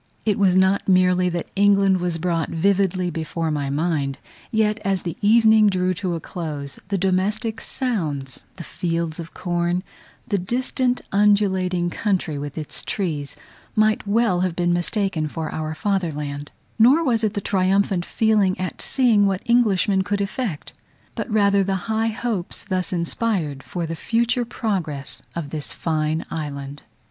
It was not merely that England was brought vividly before my mind; yet, as the evening drew to a close, the domestic sounds, the fields of corn, the distant undulating country with its trees might well have been mistaken for our fatherland: nor was it the triumphant feeling at seeing what Englishmen could effect; but rather the high hopes thus inspired for the future progress of this fine island.